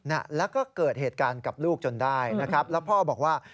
น่ะแล้วก็เกิดเหตุการณ์กับลูกจนได้นะครับแล้วพ่อบอกว่า